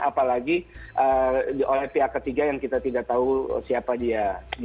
apalagi oleh pihak ketiga yang kita tidak tahu siapa dia